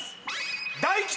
大吉！